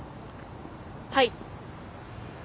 はい。